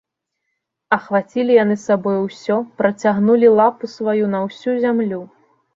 Ахвацілі яны сабою ўсё, працягнулі лапу сваю на ўсю зямлю.